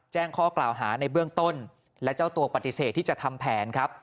แจ้งข้อกล่าวหาในเบื้องต้นและเจ้าตัวปฏิเสธที่จะทำแผนครับ